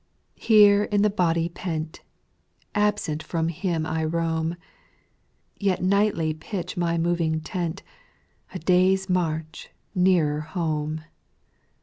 2. Here in the body pent. Absent from Him I roam. Yet nightly pitch my moving tent A day's march nearer home.